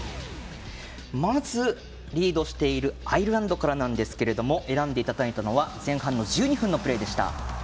まず、リードしているアイルランドからなんですが選んでいただいたのは前半１２分のプレーでした。